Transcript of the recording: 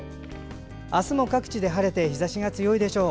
明日も各地で晴れて日ざしが強いでしょう。